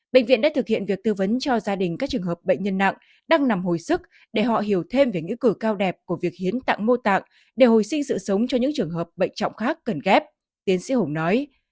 bệnh viện đã thực hiện việc tư vấn cho gia đình các trường hợp bệnh nhân nặng đang nằm hồi sức để họ hiểu thêm về nghĩa cử cao đẹp của việc hiến tặng mô tạng để hồi sinh sự sống cho những trường hợp bệnh trọng khác cần ghép tiến sĩ hùng nói